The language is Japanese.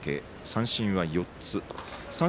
三振は４つ。